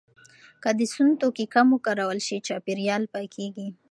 که د سون توکي کم وکارول شي، چاپیریال پاکېږي.